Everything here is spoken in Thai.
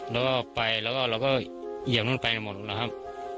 แล้วก็ไปแล้วก็เหยียบนู้นไปหมดนะครับ